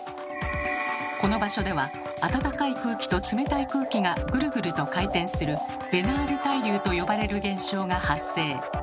この場所では温かい空気と冷たい空気がぐるぐると回転する「べナール対流」と呼ばれる現象が発生。